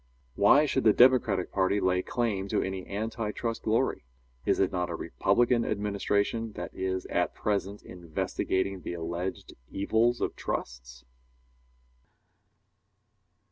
Why should the Democratic party lay claim to any anti trust glory? Is it not a Republican administration that is at present investigating the alleged evils of trusts?